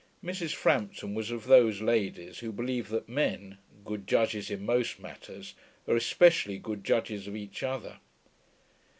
Mrs. Frampton was of those ladies who believe that men, good judges in most matters, are especially good judges of each other.